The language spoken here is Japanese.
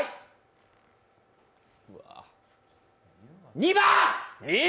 ２番！